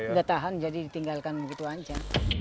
nggak tahan jadi ditinggalkan begitu saja